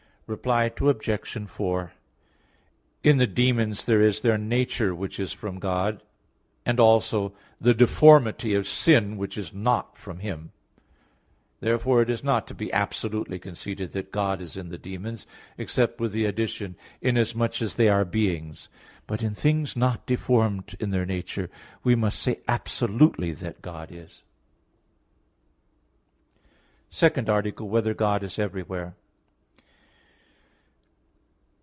Reply Obj. 4: In the demons there is their nature which is from God, and also the deformity of sin which is not from Him; therefore, it is not to be absolutely conceded that God is in the demons, except with the addition, "inasmuch as they are beings." But in things not deformed in their nature, we must say absolutely that God is. _______________________ SECOND ARTICLE [I, Q. 8, Art. 2] Whether God Is Everywhere?